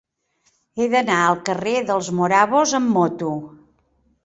He d'anar al carrer dels Morabos amb moto.